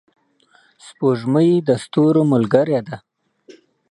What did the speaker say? سپوږمۍ د ستورو ملګرې ده.